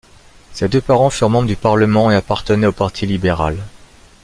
Ses deux parents furent membres du parlement et appartenaient au Parti libéral.